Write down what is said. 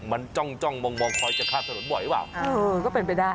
มันจ้องจ้องมองมองคอยจะข้ามถนนบ่อยหรือเปล่าเออก็เป็นไปได้